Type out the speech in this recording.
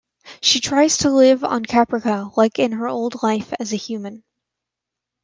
She tries to live on Caprica like in her old life as a human.